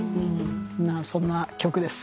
そんな曲です。